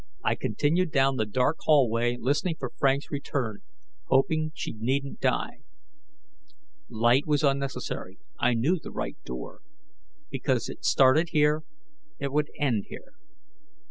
I continued down the dark hallway, listening for Frank's return, hoping she needn't die. Light was unnecessary: I knew the right door. Because it started here, it would end here.